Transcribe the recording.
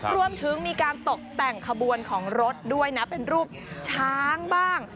รวมถึงมีการตกแต่งขบวนของรถด้วยนะเป็นรูปช้างบ้าง